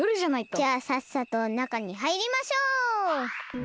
じゃあさっさとなかにはいりましょう！